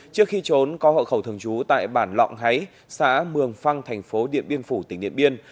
trước khi trốn có hậu khẩu thường trú tại bản lọng háy xã mường phăng thành phố điện biên phủ tỉnh điện biên